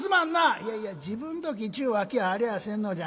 「いやいや時分どきっちゅうわけやありゃせんのじゃ。